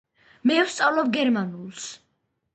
მე ვსწავლობ გერმანულს